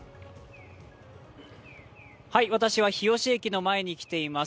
私は日吉駅の前に来ています。